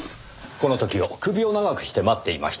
この時を首を長くして待っていました。